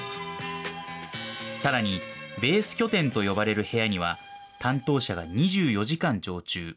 さらにベース拠点と呼ばれる部屋には、担当者が２４時間常駐。